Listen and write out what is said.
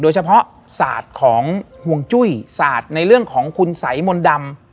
ศาสตร์ของห่วงจุ้ยศาสตร์ในเรื่องของคุณสัยมนต์ดำ